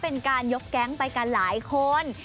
เป็นการยกแก๊งไปกันหลายคน